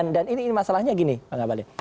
dan ini masalahnya gini pak ngabali